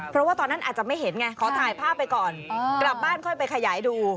เพราะว่าตอนนั้นอาจจะไม่เห็นไงขอถ่ายภาพไปก่อนกลับบ้านค่อยไปขยายดู